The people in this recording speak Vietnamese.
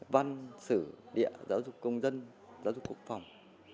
văn sử địa giáo dục công dân giáo dục quốc phòng